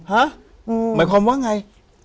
หมายความว่าไง